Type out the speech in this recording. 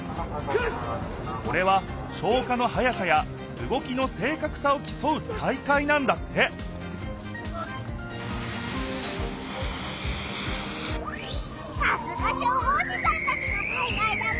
これは消火のはやさやうごきの正かくさをきそう大会なんだってさすが消防士さんたちの大会だな。